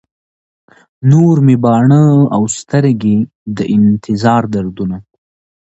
نور مې باڼه او سترګي، د انتظار دردونه